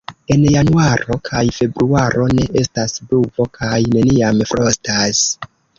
En januaro kaj februaro ne estas pluvo kaj neniam frostas.